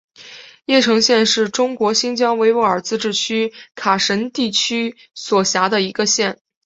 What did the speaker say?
叶城县是中国新疆维吾尔自治区喀什地区所辖的一个县。